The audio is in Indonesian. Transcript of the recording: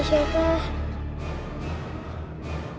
luluh kamu mau pergi sama siapa